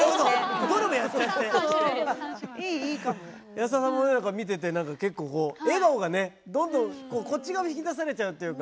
安田さんも見てて結構笑顔がねどんどんこっち側も引き出されちゃうっていうか。